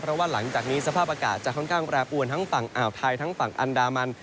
เพราะว่าหลังจากนี้สภาพอากาศจะค่อนข้างแปรปวนทั้งฝั่งอ่าวไทยทั้งฝั่งอันดามัน